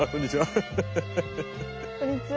こんにちは。